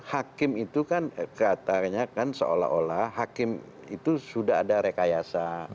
hakim itu kan katanya kan seolah olah hakim itu sudah ada rekayasa